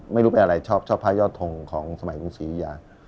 ไม่รู้เป็นอะไรชอบพระยอดท่งสมัย